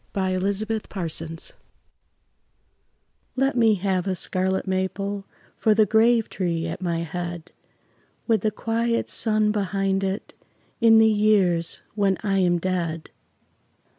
THE GRAVE TREE Let me have a scarlet maple For the grave tree at my head, With the quiet sun behind it, In the years when I am dead.